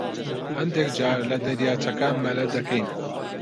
هەندێک جار لە دەریاچەکە مەلە دەکەین.